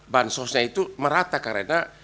bansosnya itu merata karena